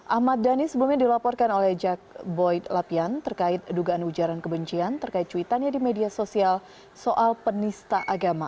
ahmad dhani sebelumnya dilaporkan oleh jack boyd lapian terkait dugaan ujaran kebencian terkait cuitannya di media sosial soal penista agama